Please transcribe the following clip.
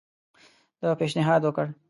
ده پېشنهاد وکړ.